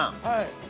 はい。